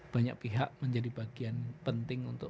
banyak pihak menjadi bagian penting untuk